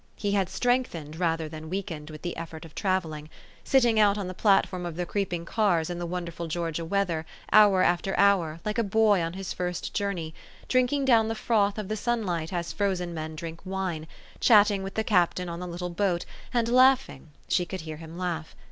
He had strengthened, rather than weakened, with the effort of travelling; sitting out on the platform of the creeping ears in the wonderful Georgia weather, hour after hour, like a boy on his first journey; drinking down the froth of the sunlight as frozen men drink wine ; chatting with the captain on the little boat, and laughing she could hear him laugh.